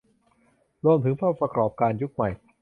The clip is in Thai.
รวมถึงผู้ประกอบการยุคใหม่